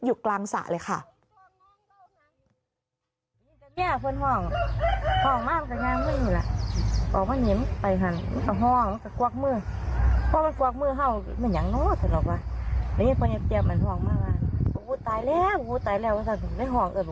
อยู่กลางสระเลยค่ะ